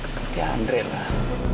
seperti andre lah